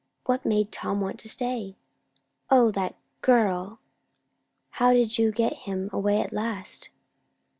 "What made Tom want to stay?" "O, that girl." "How did you get him away at last?"